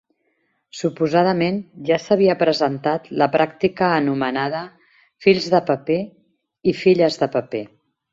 Suposadament ja s'havia presentat la pràctica anomenada "Fills de paper" i "Filles de paper".